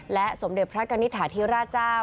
และสมเด็จพระกันิษฐาที่ราชเจ้า